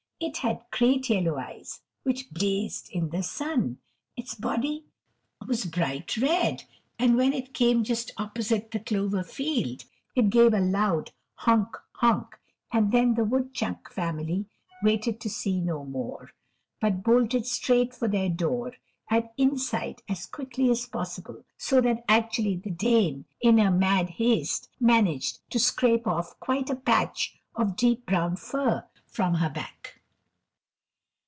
It had great yellow eyes, which blazed in the sun; its body was bright red, and when it came just opposite the clover field it gave a loud "honk, honk," and then the woodchuck family waited to see no more, but bolted straight for their door and inside, as quickly as possible, so that actually the Dame, in her mad haste, managed to scrape off quite a patch of deep brown fur from her back.